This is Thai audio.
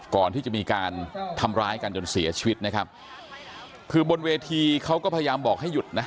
ก่อนที่จะมีการทำร้ายกันจนเสียชีวิตนะครับคือบนเวทีเขาก็พยายามบอกให้หยุดนะ